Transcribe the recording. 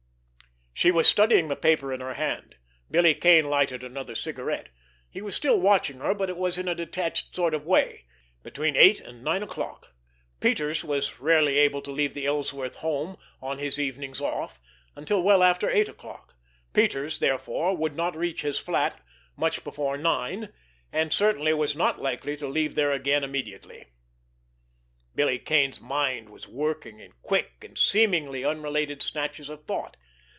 She was studying the paper in her hand. Billy Kane lighted another cigarette. He was still watching her, but it was in a detached sort of way. Between eight and nine o'clock! Peters was rarely able to leave the Ellsworth home on his evenings off until well after eight o'clock; Peters, therefore, would not reach his flat much before nine, and certainly was not likely to leave there again immediately. Billy Kane's mind was working in quick, and seemingly unrelated snatches of thought.